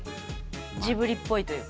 ジブリっぽいというか。